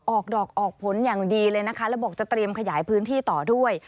ออกดอกออกผลอย่างดีเลยนะคะแล้วบอกจะเตรียมขยายพื้นที่ต่อด้วย